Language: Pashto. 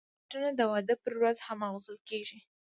بوټونه د واده پر ورځ هم اغوستل کېږي.